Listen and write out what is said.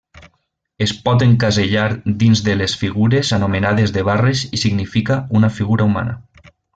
Es pot encasellar dins de les figures anomenades de barres i significa una figura humana.